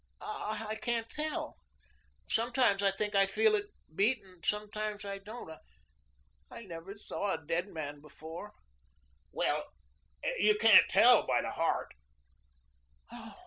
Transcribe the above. "I can't tell. Sometimes I think I feel it beat and sometimes I don't. I never saw a dead man before." "Well, you can't tell by the heart."